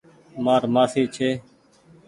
مآر مآسي ڇي۔